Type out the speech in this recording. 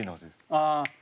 ああ。